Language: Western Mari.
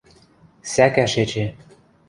– Сӓкӓш эче.